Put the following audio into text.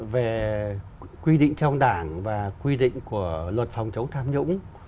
về quy định trong đảng và quy định của luật phòng chống tham nhũng